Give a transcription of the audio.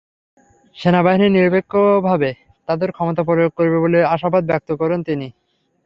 সেনাবাহিনী নিরপেক্ষভাবে তাদের ক্ষমতা প্রয়োগ করবে বলে আশাবাদ ব্যক্ত করেন তিনি।